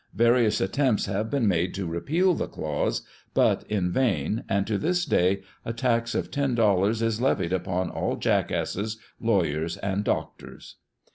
Various attempts have been made to repeal the clause, but in vain, and to this day a tax of ten dollars is levied upon " all jackasses, lawyers, and doctors